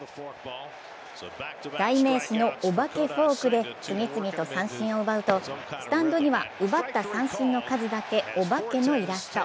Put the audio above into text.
代名詞のお化けフォークで次々と三振を奪うとスタンドには、奪った三振の数だけお化けのイラスト。